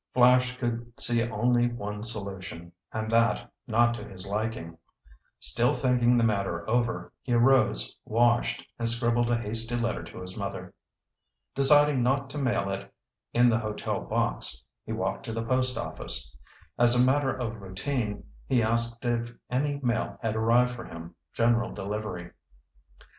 Flash could see only one solution, and that, not to his liking. Still thinking the matter over, he arose, washed, and scribbled a hasty letter to his mother. Deciding not to mail it in the hotel box, he walked to the post office. As a matter of routine, he asked if any mail had arrived for him, general delivery.